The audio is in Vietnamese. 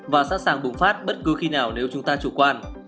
và sẵn sàng bùng phát bất cứ khi nào nếu chúng ta chủ quan